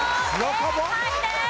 正解です！